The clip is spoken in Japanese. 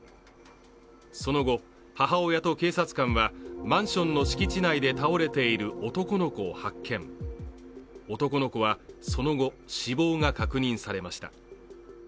その後、母親と警察官はマンションの敷地内で倒れている男の子を発見男の子はその後、死亡が確認されました。